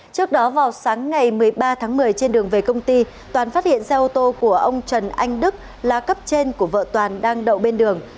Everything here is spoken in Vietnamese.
trước đó vào sáng ngày một mươi ba tháng một mươi trên đường về công ty toàn phát hiện xe ô tô của ông trần anh đức là cấp trên của vợ toàn đang đậu bên đường